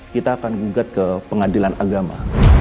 kita akan gugat ke pengadilan agama